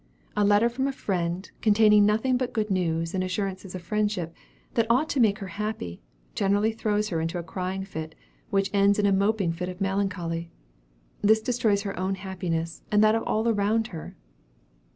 A letter from a friend, containing nothing but good news, and assurances of friendship, that ought to make her happy, generally throws her into a crying fit, which ends in a moping fit of melancholy. This destroys her own happiness, and that of all around her.'"